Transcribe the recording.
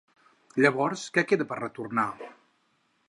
Llavors, què queda per retornar?